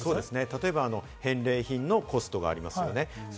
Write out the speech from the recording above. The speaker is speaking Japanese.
例えば返礼品のコストがありますよね。